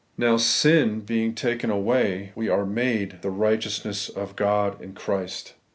Now, sin being taken away, we are made the righteousness of God in Christ.